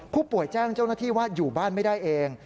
ผู้ป่วยแจ้งเจ้าหน้าที่ว่าอยู่บ้านไม่ได้เอง